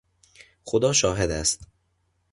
خدا شاهد است.